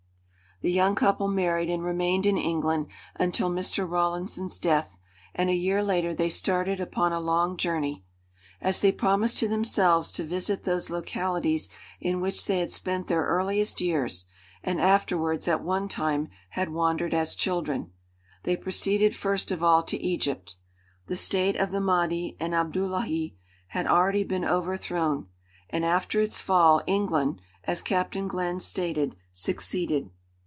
The young couple married and remained in England until Mr. Rawlinson's death and a year later they started upon a long journey. As they promised to themselves to visit those localities in which they had spent their earliest years and afterwards at one time had wandered as children, they proceeded first of all to Egypt. The state of the Mahdi and Abdullahi had already been overthrown, and after its fall England, as Captain Glenn stated, "succeeded."